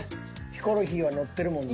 ヒコロヒーはノッてるもんな。